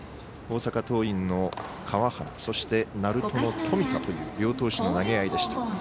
大阪桐蔭の川原そして、鳴門の冨田という両投手の投げ合いでした。